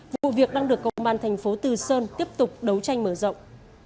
vụ việc đang được công an thành phố từ sơn tiếp tục đấu tranh mở rộng